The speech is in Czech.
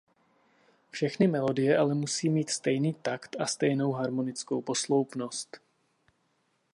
Všechny melodie ale musí mít stejný takt a stejnou harmonickou posloupnost.